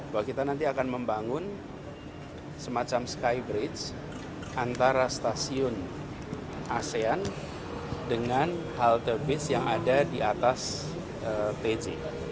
bahwa kita nanti akan membangun semacam skybridge antara stasiun asean dengan halte base yang ada di atas tj